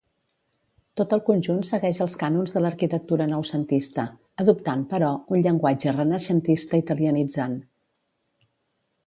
Tot el conjunt segueix els cànons de l'arquitectura noucentista, adoptant, però, un llenguatge renaixentista italianitzant.